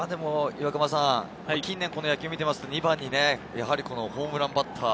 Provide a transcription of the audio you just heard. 近年の野球を見ていると、２番にホームランバッター。